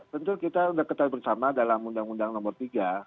tentu kita sudah ketahui bersama dalam undang undang nomor tiga